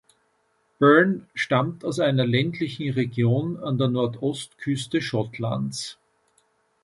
Byrne stammt aus einer ländlichen Region an der Nordostküste Schottlands.